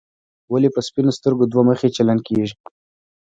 ولې په سپینو سترګو دوه مخي چلن کېږي.